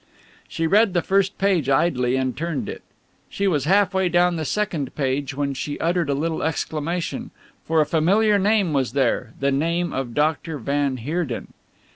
She read the first page idly and turned it. She was half way down the second page when she uttered a little exclamation, for a familiar name was there, the name of Dr. van Heerden.